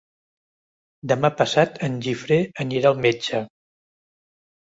Demà passat en Guifré anirà al metge.